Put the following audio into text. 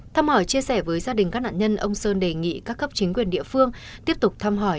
thăm hỏi chia sẻ với gia đình các nạn nhân ông sơn đề nghị các cấp chính quyền địa phương tiếp tục thăm hỏi